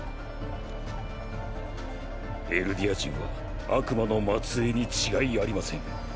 エルディア人は悪魔の末裔に違いありません。